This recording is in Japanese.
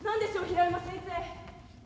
平山先生。